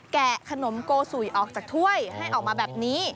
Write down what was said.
แกะขนมโกสุยออกจากถ้วยให้ออกมาแบบนี้